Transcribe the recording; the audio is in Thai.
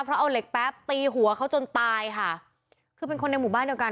เพราะเอาเหล็กแป๊บตีหัวเขาจนตายค่ะคือเป็นคนในหมู่บ้านเดียวกัน